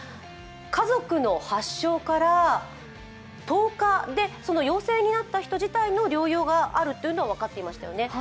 家族の発症から１０日で陽性になった人自体の療養があるというのは分かっていましたよね。